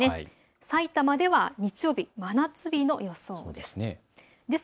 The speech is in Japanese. さいたまでは日曜日、真夏日の予想です。